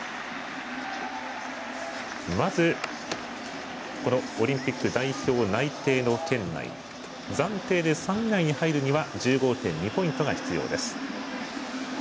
まずオリンピック代表内定の圏内暫定で３位以内に入るには１５．２ポイントが必要です。